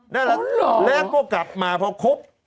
อ๋อเหรอแล้วก็กลับมาพอครบ